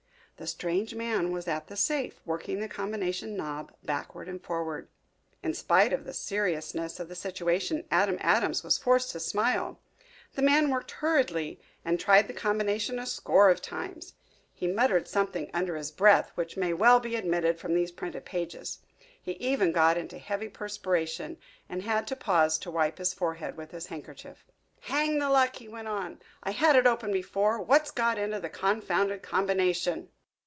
The strange man was at the safe, working the combination knob backward and forward. In spite of the seriousness of the situation, Adam Adams was forced to smile. The man worked hurriedly and tried the combination a score of times. He muttered something under his breath which may well be omitted from these printed pages. He even got into a heavy perspiration and had to pause to wipe his forehead with his handkerchief. "Hang the luck!" he went on. "I had it open before. What's got into the confounded combination?"